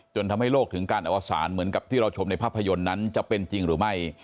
ทำให้โลกถึงการอวสารเหมือนกับที่เราชมในภาพยนตร์นั้นจะเป็นจริงหรือไม่